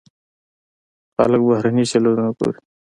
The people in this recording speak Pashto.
خلک بهرني چینلونه ګوري.